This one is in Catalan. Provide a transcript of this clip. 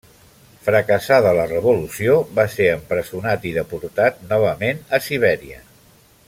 Fracassada la revolució, va ser empresonat i deportat novament a Sibèria.